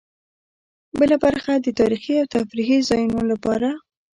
بله برخه د تاریخي او تفریحي ځایونو لپاره.